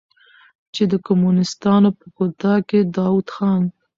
چې د کمونستانو په کودتا کې د داؤد خان